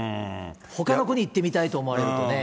ほかの国行ってみたいと思われるとね。